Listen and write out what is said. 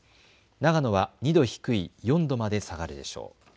長野は２度低い４度まで下がるでしょう。